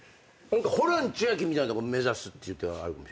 ホラン千秋みたいなとこ目指すっていう手はあるかも。